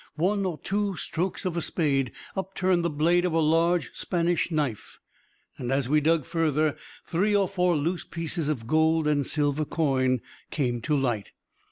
One or two strokes of a spade upturned the blade of a large Spanish knife, and, as we dug further, three or four loose pieces of gold and silver coin came to light.